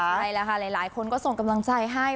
ใช่แล้วค่ะหลายคนก็ส่งกำลังใจให้